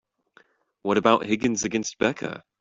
What about Higgins against Becca?